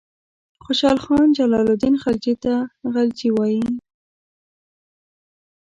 خوشحال خان جلال الدین خلجي ته غلجي وایي.